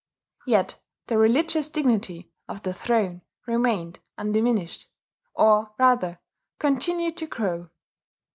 Yet the religious dignity of the throne remained undiminished, or, rather, continued to grow.